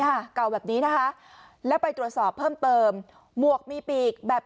ค่ะเก่าแบบนี้นะคะแล้วไปตรวจสอบเพิ่มเติมหมวกมีปีกแบบ